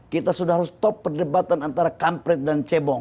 kita sudah harus top perdebatan antara kampret dan cebong